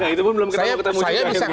itu pun belum ketemu juga ya